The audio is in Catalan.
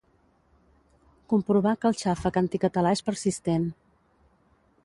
comprovar que el xàfec anticatalà és persistent